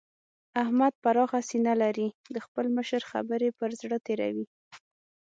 احمد پراخه سينه لري؛ د خپل مشر خبرې پر زړه تېروي.